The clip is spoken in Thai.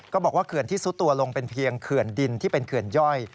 ก็บอกว่าเขื่อนที่ซุดตัวลงเป็นเพียงเขื่อนดินที่เป็นเขื่อนย่อย